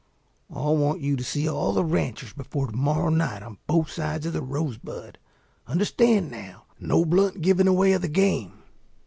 I want you to see all the ranchers before to morrow night on both sides of the Rosebud. Understand now, no blunt giving away of the game.